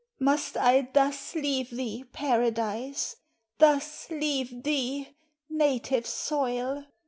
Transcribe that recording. Must I thus leave thee, Paradise? thus leave Thee, native soil!